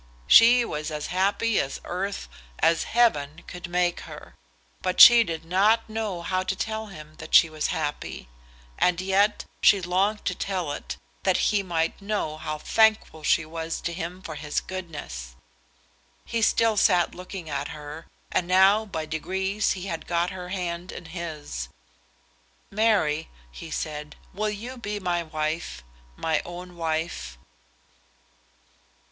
She was as happy as earth, as heaven could make her; but she did not know how to tell him that she was happy. And yet she longed to tell it, that he might know how thankful she was to him for his goodness. He still sat looking at her, and now by degrees he had got her hand in his. "Mary," he said, "will you be my wife, my own wife?"